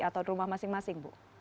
atau rumah masing masing bu